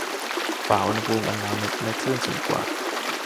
ฝ่าอุณหภูมิอันหนาวเหน็บและคลื่นสูงกว่า